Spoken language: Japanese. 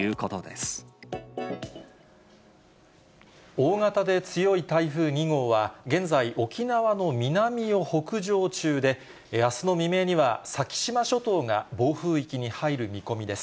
大型で強い台風２号は、現在、沖縄の南を北上中で、あすの未明には先島諸島が暴風域に入る見込みです。